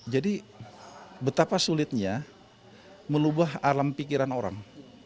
jadi betapa sulitnya melubah alam pikiran orang